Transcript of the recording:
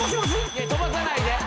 いや飛ばさないで。